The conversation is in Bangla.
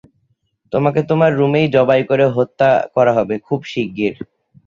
তোমাকে তোমার রুমেই জবাই করে হত্যা করা হবে খুব শিগগির।